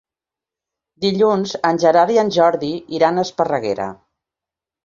Dilluns en Gerard i en Jordi iran a Esparreguera.